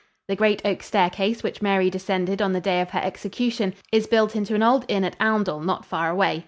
The great oak staircase which Mary descended on the day of her execution, is built into an old inn at Oundle, not far away.